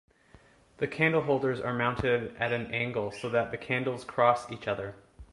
The candleholders are mounted at an angle so that the candles cross each other.